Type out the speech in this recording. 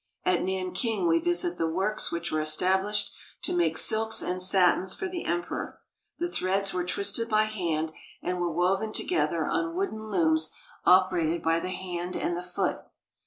At Nanking we visit the works which were established to make silks and satins for the Emperor. The threads were twisted by hand, and were woven INDUSTRIAL CHINA 167 together on wooden looms operated by the hand and the foot.